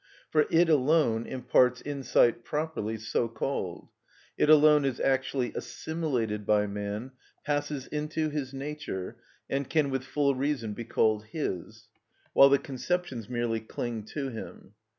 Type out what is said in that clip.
For it alone imparts insight properly so called, it alone is actually assimilated by man, passes into his nature, and can with full reason be called his; while the conceptions merely cling to him.